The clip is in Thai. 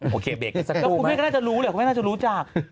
แล้วคุณพี่ก็น่าจะรู้เลยเขาไม่น่าจะรู้จัก